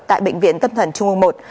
tại bệnh viện tâm thần trung ương một